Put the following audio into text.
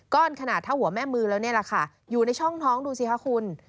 ขนาดเท่าหัวแม่มือแล้วนี่แหละค่ะอยู่ในช่องท้องดูสิคะคุณ